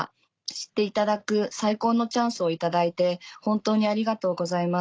「知っていただく最高のチャンスを頂いて本当にありがとうございます。